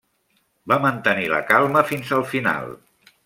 Va mantenir la calma fins al final.